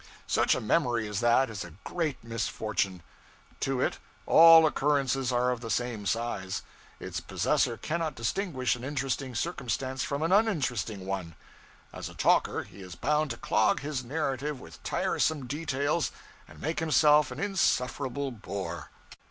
Such a memory as that is a great misfortune. To it, all occurrences are of the same size. Its possessor cannot distinguish an interesting circumstance from an uninteresting one. As a talker, he is bound to clog his narrative with tiresome details and make himself an insufferable bore.